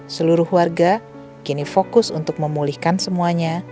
seluruh warga kini fokus untuk memulihkan semuanya